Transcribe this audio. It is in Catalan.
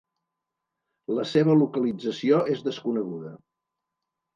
La seva localització és desconeguda.